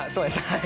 はい。